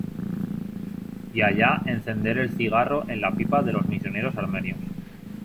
y allá encender el cigarro en la pipa de los misioneros armenios .